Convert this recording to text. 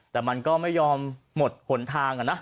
แต่มันก็ไม่ยอมหมดหนทางนะ